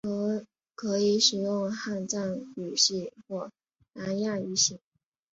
可能使用汉藏语系或南亚语系。